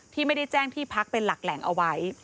ที่ไม่ได้แจ้งที่พักเป็นหลักแหล่งเอาไว้